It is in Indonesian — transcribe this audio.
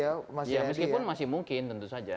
ya meskipun masih mungkin tentu saja